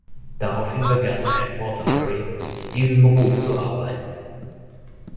Daraufhin begann er in Waterbury in diesem Beruf zu arbeiten.